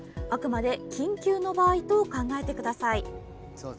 あくまで緊急の場合と考えてください。